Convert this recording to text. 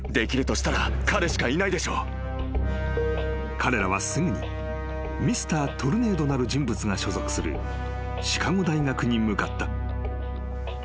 ［彼らはすぐにＭｒ．トルネードなる人物が所属するシカゴ大学に向かった］